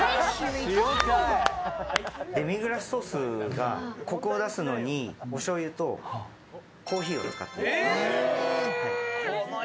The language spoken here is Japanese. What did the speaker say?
デミグラスソースがコクを出すのに、おしょうゆとコーヒーを使っています。